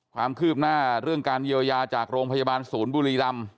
ความคืบหน้าเรื่องการเยียวยาจากโรงพยาบาลศูนย์บุรีรำ